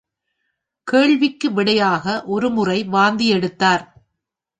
கேள்விக்கு விடையாக ஒருமுறை வாந்தியெடுத்தார்.